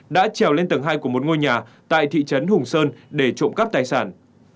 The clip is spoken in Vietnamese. đã trèo lên tầng hai của một ngôi nhà tại thị trấn hùng sơn để trộm cắp tài sản